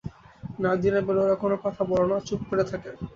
না, দিনের বেলায় ওরা কোনো কথা বলে না, চুপ করে থাকে।